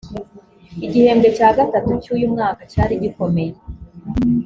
igihembwe cya gatatu cy uyu mwaka cyari gikomeye